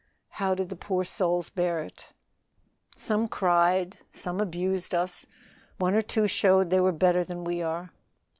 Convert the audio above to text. "How did the poor souls bear it?" "Some cried, some abused us, one or two showed they were better than we are."